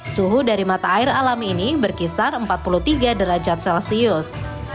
suhu dari mata air alam ini berkisar empat puluh tiga derajat celcius